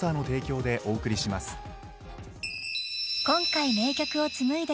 ［今回］